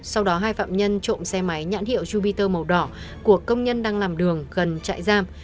sau đó hai phạm nhân trộm xe máy nhãn hiệu jupiter màu đỏ của công nhân đang làm đường gần trại giam